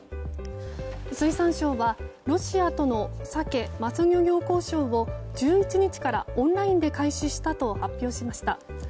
水産庁はロシアとのサケ・マス漁業交渉を１１日からオンラインで開始したと発表しました。